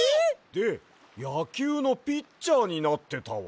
でやきゅうのピッチャーになってたわ。